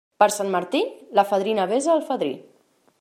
Per Sant Martí, la fadrina besa el fadrí.